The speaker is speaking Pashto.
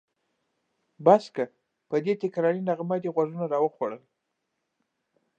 بس که! په دې تکراري نغمه دې غوږونه راوخوړل.